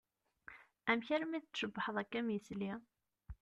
Amek armi d-tcebbḥeḍ akka am yisli?